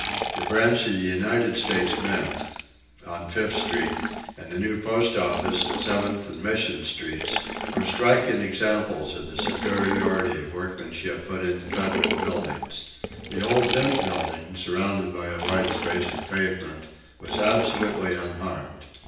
The branch of the United States Mint, on Fifth Street, and the new Post Office at Seventh and Mission Streets, were striking examples of the superiority of workmanship put into Federal buildings. The old Mint building, surrounded by a wide space of pavement, was absolutely unharmed.